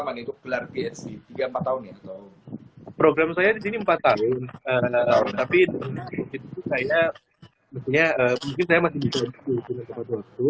mungkin saya masih di situ